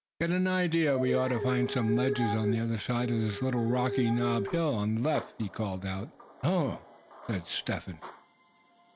"Got an idea we ought to find some ledges on the other side of this little rocky knob hill on the left," he called out. "Oh," said Step Hen.